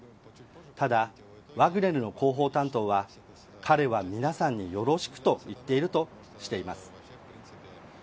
ただ、ワグネルの広報担当は彼は皆さんによろしくと言っている、としています。